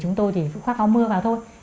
chúng tôi thì khoác áo mưa vào thôi